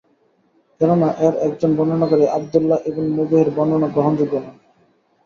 কেননা, এর একজন বর্ণনাকারী আবদুল্লাহ ইবন মুহরিযের— বর্ণনা গ্রহণযোগ্য নয়।